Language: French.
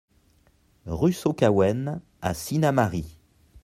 Rue Saut Caouenne à Sinnamary